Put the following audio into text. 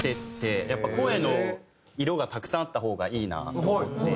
声の色がたくさんあった方がいいなと思って。